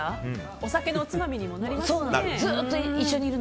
お酒のおつまみにもなりますしね。